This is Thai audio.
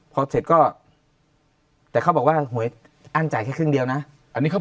พอเสร็จก็แต่เขาบอกว่าหวยอั้นจ่ายแค่ครึ่งเดียวนะอันนี้เขา